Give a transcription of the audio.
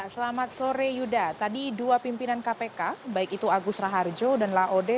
selamat sore yuda tadi dua pimpinan kpk baik itu agus raharjo dan laode